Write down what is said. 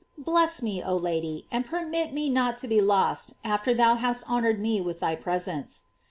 Bless me, oh Lady, and permit me not to be lost after thou hast honored me with thy presence."